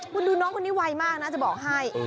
คุณดูน้องคนนี้ไวมากนะจะบอกให้